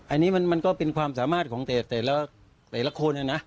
อันนี้มันก็เป็นความสามารถของแต่ละคนนะนะ